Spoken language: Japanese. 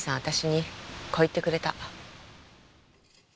私にこう言ってくれた。